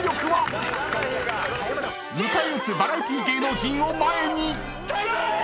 ［迎え撃つバラエティー芸能人を前に］